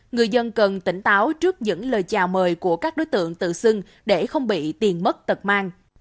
người dân cần tỉnh táo trước những lời chào mời của các đối tượng tự xưng để không bị tiền mất tật mang